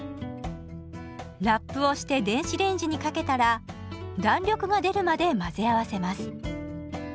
ラップをして電子レンジにかけたら弾力が出るまで混ぜ合わせます。